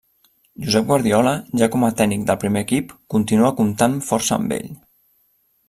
Josep Guardiola, ja com a tècnic del primer equip, continua comptant força amb ell.